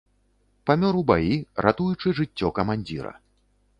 Памёр у баі, ратуючы жыццё камандзіра.